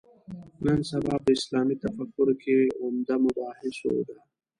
نن سبا په اسلامي تفکر کې عمده مباحثو ده.